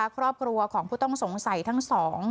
ครอบครัวของผู้ต้องสงสัยทั้งสอง